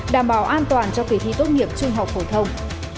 đảm bảo an toàn cho kỳ thi tốt nghiệp trung học phổ thông